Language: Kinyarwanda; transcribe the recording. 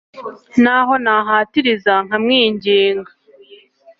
n'aho nahatiriza nkamwinginga